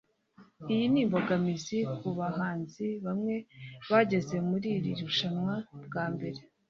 iyi ni imbogamizi ku bahanzi bamwe bageze muri iri rushanwa bwa mbere